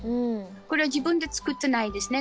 これは自分で作ってないですね。